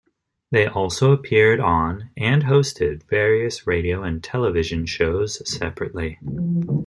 They also appeared on and hosted various radio and television shows separately.